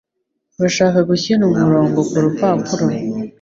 Urashaka gushyira umurongo kurupapuro